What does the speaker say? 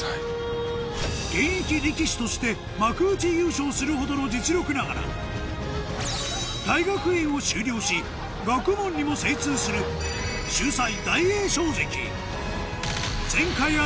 現役力士として幕内優勝するほどの実力ながら大学院を修了し学問にも精通する秀才